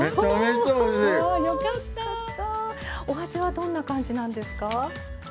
お味はどんな感じなんですか？